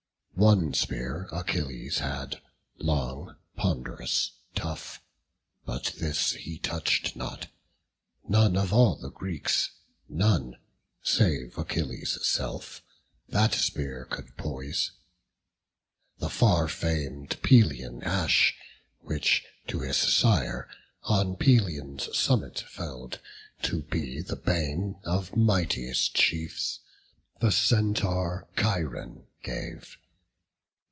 One spear Achilles had, long, pond'rous, tough; But this he touch'd not; none of all the Greeks, None, save Achilles' self, that spear could poise; The far fam'd Pelian ash, which to his sire, On Pelion's summit fell'd, to be the bane Of mightiest chiefs, the Centaur Chiron gave.